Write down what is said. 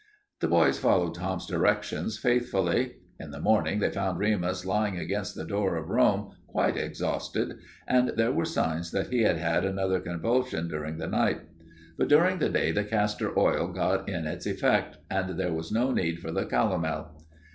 The boys followed Tom's directions faithfully. In the morning they found Remus lying against the door of Rome, quite exhausted, and there were signs that he had had another convulsion during the night. But during the day the castor oil got in its effect and there was no need for the calomel.